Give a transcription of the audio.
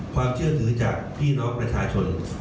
ความเชื่อถือจากพี่น้องประชาชน